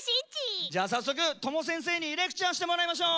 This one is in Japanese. じゃあさっそくＴＯＭＯせんせいにレクチャーしてもらいましょう！